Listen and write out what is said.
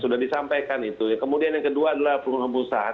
sudah disampaikan itu kemudian yang kedua adalah perumahan perusahaan